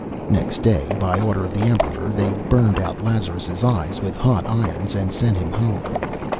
Next day, by order of the Emperor, they burned out Lazarus' eyes with hot irons and sent him home.